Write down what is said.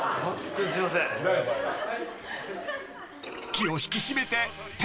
［気を引き締めて］